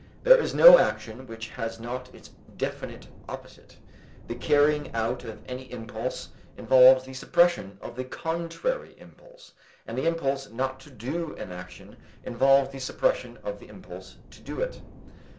There is no action which has not its definite opposite. The carrying out of any impulse involves the suppression of the contrary impulse, and the impulse not to do an action involves the suppression of the impulse to do it.